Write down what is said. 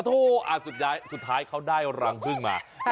สุดท้ายเขาได้รังพึ่งมา